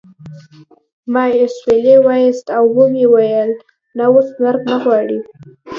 ما اسویلی وایست او و مې ویل نه اوس مرګ نه غواړم